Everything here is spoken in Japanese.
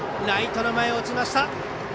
ライトの前落ちた！